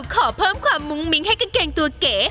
ขอเพิ่มความมุ้งมิ้งให้กางเกงตัวเก๋